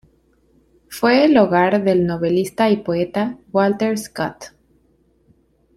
Fue el hogar del novelista y poeta Walter Scott.